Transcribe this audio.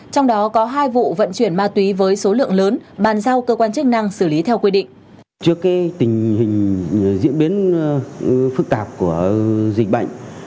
trong đó có hai vụ vận chuyển ma túy với số lượng lớn bàn giao cơ quan chức năng xử lý theo quy định